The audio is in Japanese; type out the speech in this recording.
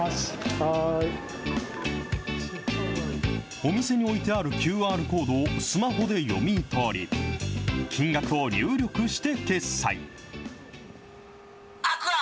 お店に置いてあるＱＲコードをスマホで読み取り、金額を入力して決済。